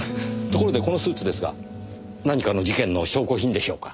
ところでこのスーツですが何かの事件の証拠品でしょうか？